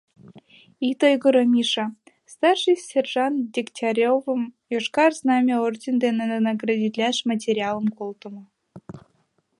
— Ит ойгыро, Миша: старший сержант Дегтяревым йошкар Знамя орден дене наградитлаш материалым колтымо.